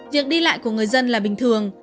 việc đi lại của người dân là bình thường